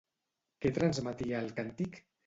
Què transmetia el càntic?